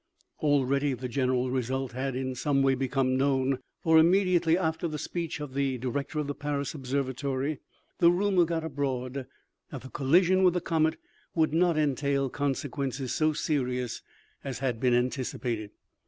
Already the general result had in some way become known, for immediately after the speech of the direc tor of the Paris observatory the rumor got abroad that the collision with the comet would not entail conse quences so serious as had been anticipated.